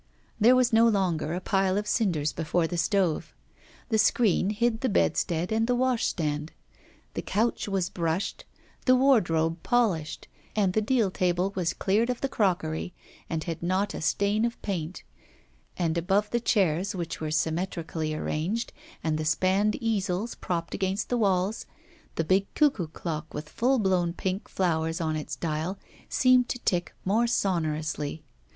There was no longer a pile of cinders before the stove; the screen hid the bedstead and the washstand; the couch was brushed, the wardrobe polished; the deal table was cleared of the crockery, and had not a stain of paint; and above the chairs, which were symmetrically arranged, and the spanned easels propped against the walls, the big cuckoo clock, with full blown pink flowers on its dial, seemed to tick more sonorously.